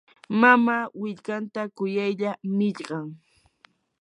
mamaa willkantan kuyaylla millqan.